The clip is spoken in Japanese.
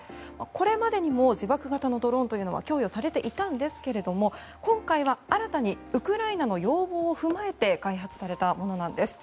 これまでにも自爆型のドローンというのは供与されていたんですが今回は新たにウクライナの要望を踏まえて開発されたものなんです。